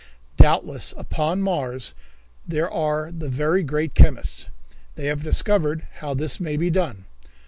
Doubtless upon Mars there are the very great chemists. They have discovered how this may be done.